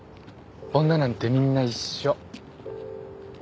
女なんてみんな一緒。